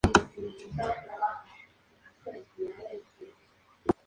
Las obras estuvieron a cargo de los arquitectos Mario Locatelli e Iván Robredo.